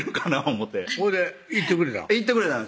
思てほいで行ってくれたん？